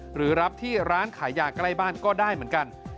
หรือรับที่ร้านขายยาใกล้บ้านก็ได้เหมือนกัน